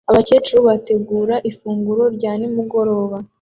abakecuru bategura ifunguro rya nimugoroba